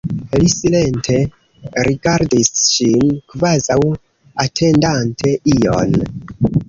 Li silente rigardis ŝin, kvazaŭ atendante ion.